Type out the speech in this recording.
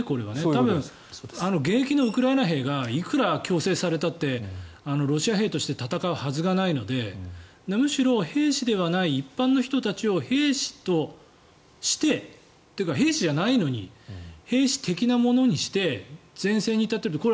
多分、現役のウクライナ兵がいくら強制されたってロシア兵として戦うはずがないのでむしろ兵士ではない一般の人たちを兵士としてというか兵士じゃないのに兵士的なものにして前線に立てる。